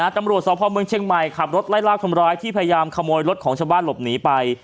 ตำรวจสพเมืองเชียงใหม่ขับรถไล่ลากคนร้ายที่พยายามขโมยรถของชาวบ้านหลบหนีไป